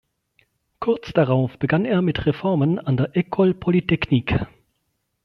Kurz darauf begann er mit Reformen an der Ecole Polytechnique.